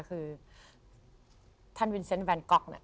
คือท่านวินเซ็นต์แวนก๊อก